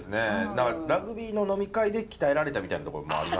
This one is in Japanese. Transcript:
何かラグビーの呑み会で鍛えられたみたいなところもありますから。